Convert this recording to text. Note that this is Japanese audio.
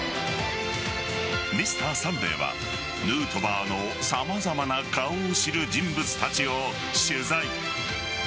「Ｍｒ．サンデー」はヌートバーの様々な顔を知る人物たちを取材。